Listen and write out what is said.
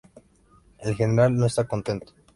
El general no está contento.